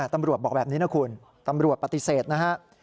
ตำรวจบอกแบบนี้นะคุณตำรวจปฏิเสธนะฮะ